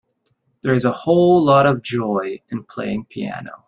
There is a whole lot of joy in playing piano.